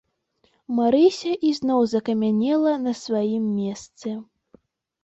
Марыся ізноў закамянела на сваім месцы.